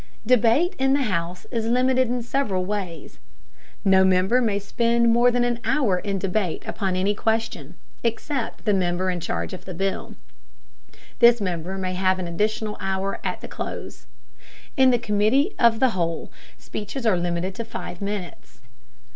Debate in the House is limited in several ways. No member may spend more than an hour in debate upon any question, except the member in charge of the bill. This member may have an additional hour at the close. In the committee of the whole, speeches are limited to five minutes.